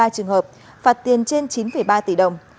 trường hợp phạt tiền trên chín ba tỷ đồng